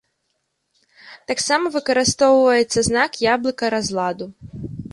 Таксама выкарыстоўваецца знак яблыка разладу.